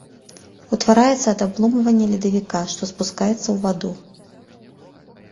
Утвараецца ад абломвання ледавіка, што спускаецца ў ваду.